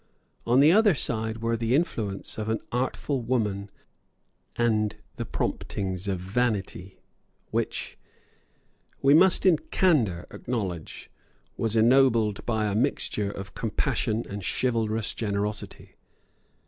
On the other side were the influence of an artful woman, and the promptings of vanity which, we must in candour acknowledge, was ennobled by a mixture of compassion and chivalrous generosity.